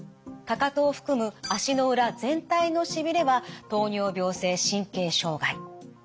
かかとを含む足の裏全体のしびれは糖尿病性神経障害。